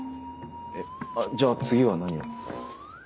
えっじゃあ次は何を？